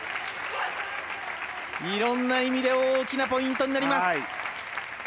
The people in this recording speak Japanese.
色んな意味で大きなポイントになります。